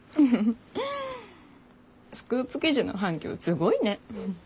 スクープ記事の反響すごいね。